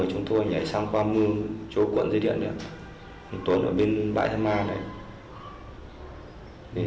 chúng tôi nhảy sang qua mưu chỗ quận dây điện tuần ở bên bãi tham an